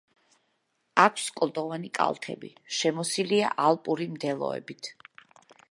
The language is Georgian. აქვს კლდოვანი კალთები, შემოსილია ალპური მდელოებით.